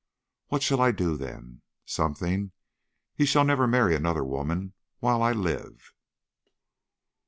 What shall I do then? Something. He shall never marry another woman while I live."